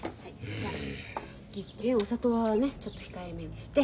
じゃあギッチンお砂糖はねちょっと控えめにして。